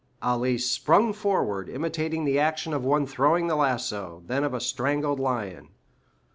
Ali sprung forwards, imitating the action of one throwing the lasso, then of a strangled lion.